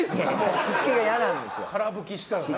湿気が嫌なんですよ。